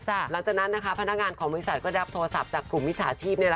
หลังจากนั้นนะคะพนักงานของบริษัทก็รับโทรศัพท์จากกลุ่มมิจฉาชีพ